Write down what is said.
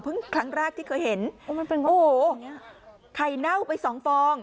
ครั้งแรกที่เคยเห็นโอ้โหไข่เน่าไปสองฟอง